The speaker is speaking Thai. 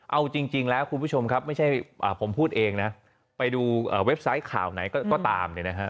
เอาจริงแล้วไม่ใช่ผมพูดเองไปดูเว็บไซต์ข่าวไหนก็ตาม